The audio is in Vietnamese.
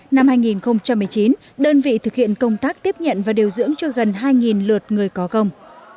năm hai nghìn một mươi chín đơn vị thực hiện công tác tiếp nhận và điều dưỡng cho gần hai lượt người có công